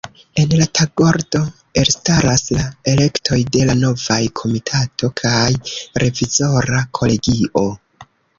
En la tagordo elstaras la elektoj de la novaj Komitato kaj revizora kolegio.